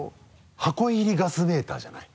「箱入りガスメーター」じゃない？